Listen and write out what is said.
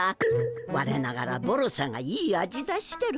ワレながらボロさがいい味出してる。